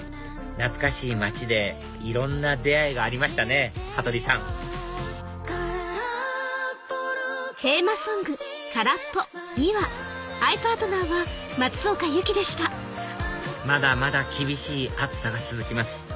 懐かしい街でいろんな出会いがありましたね羽鳥さんまだまだ厳しい暑さが続きます